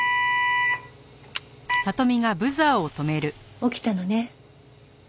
起きたのね。